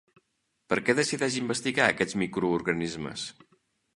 Per què decideix investigar aquests microorganismes?